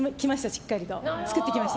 しっかり、作ってきました。